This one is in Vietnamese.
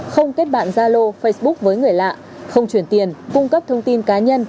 không kết bạn gia lô facebook với người lạ không chuyển tiền cung cấp thông tin cá nhân